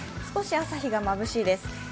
少し朝日がまぶしいです。